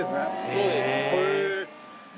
そうです。